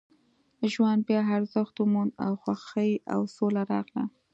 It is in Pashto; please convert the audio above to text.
ژوند بیا ارزښت وموند او خوښۍ او سوله راغله